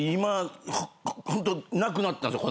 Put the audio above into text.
ホントなくなったんですよ